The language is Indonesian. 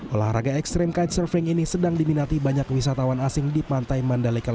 olahraga ekstrim guide surfing ini sedang diminati banyak wisatawan asing di pantai mandalika